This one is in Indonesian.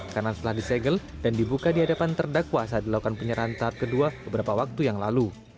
karena telah disegel dan dibuka di hadapan terdakwa saat dilakukan penyerahan tahap kedua beberapa waktu yang lalu